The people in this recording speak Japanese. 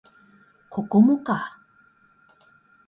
ここもか